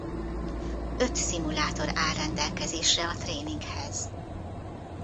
Öt szimulátor áll rendelkezésre a tréninghez.